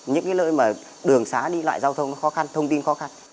những cái lợi mà đường xá đi loại giao thông khó khăn thông tin khó khăn